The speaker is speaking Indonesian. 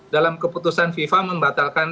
dalam keputusan fifa membatalkan